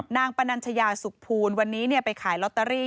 ปนัญชยาสุขภูลวันนี้ไปขายลอตเตอรี่